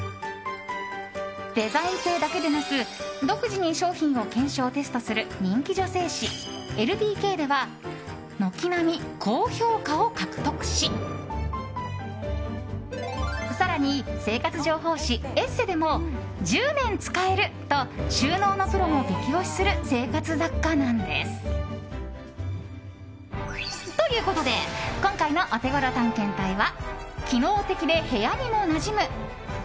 デザイン性だけでなく独自に商品を検証・テストする人気女性誌「ＬＤＫ」では軒並み高評価を獲得し更に生活情報誌「ＥＳＳＥ」でも１０年使えると収納のプロも激推しする生活雑貨なんです。ということで今回のオテゴロ探検隊は機能的で部屋にもなじむ！